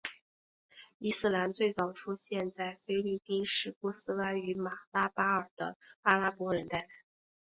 伊斯兰最早出现在菲律宾是波斯湾与马拉巴尔的阿拉伯人带来。